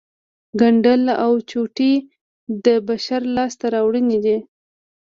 ګنډل او چوټې د بشر لاسته راوړنې دي